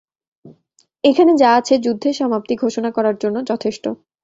এখানে যা আছে যুদ্ধের সমাপ্তি ঘোষণা করার জন্য যথেষ্ট।